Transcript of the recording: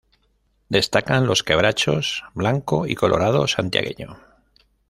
Destacan los quebrachos blanco y colorado santiagueño.